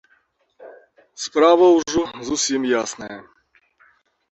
Справа ўжо зусім ясная.